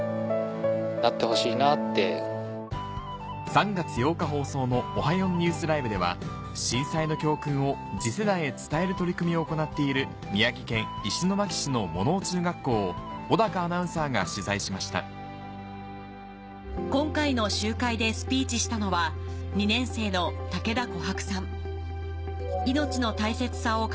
３月８日放送の『Ｏｈａ！４ＮＥＷＳＬＩＶＥ』では震災の教訓を次世代へ伝える取り組みを行っている宮城県石巻市の桃生中学校を小アナウンサーが取材しました今回の集会でスピーチしたのは２年生の武田瑚白さん。